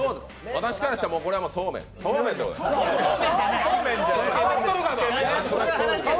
私からしたら、これは、もう層麺。